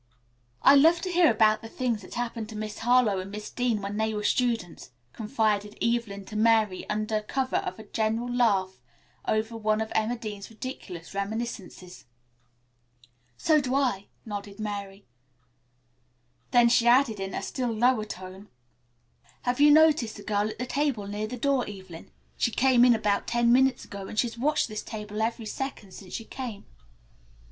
"I love to hear about the things that happened to Miss Harlowe and Miss Dean when they were students," confided Mary to Evelyn under cover of a general laugh over one of Emma Dean's ridiculous reminiscences. "So do I," nodded Mary, then she added in a still lower tone, "Have you noticed the girl at the table near the door, Evelyn. She came in about ten minutes ago, and she's watched this table every second since she came."